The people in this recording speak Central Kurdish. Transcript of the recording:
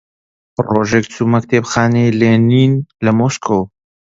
ڕۆژێک چوومە کتێبخانەی لێنین لە مۆسکۆ